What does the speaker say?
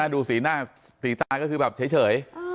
ดูสีหน้าสีตาก็คือแบบเฉย